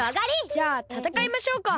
じゃあたたかいましょうか。